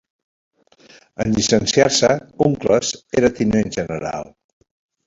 En llicenciar-se, Uncles era tinent general.